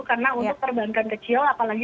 karena untuk perbankan kecil apalagi